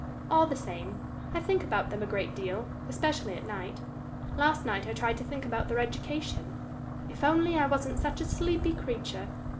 All the same, I think about them a great deal, especially at night. Last night I tried to think about their education if only I wasn't such a sleepy creature!